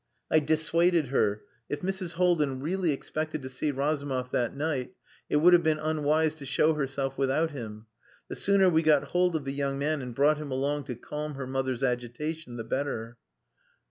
I dissuaded her. If Mrs. Haldin really expected to see Razumov that night it would have been unwise to show herself without him. The sooner we got hold of the young man and brought him along to calm her mother's agitation the better.